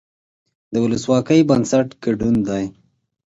د ولسواکۍ بنسټ ګډون دی